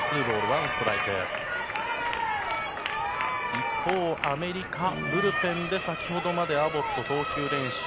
一方、アメリカブルペンで先ほどまでアボット、投球練習。